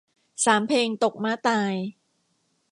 สามเพลงตกม้าตาย